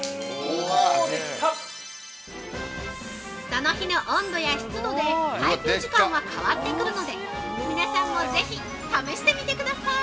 ◆その日の温度や湿度で耐久時間は変わってくるので、皆さんもぜひ、試してみてください！